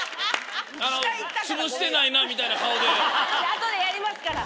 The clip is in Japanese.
後でやりますから。